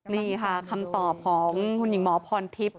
นี่ค่ะคำตอบของคุณหญิงหมอพรทิพย์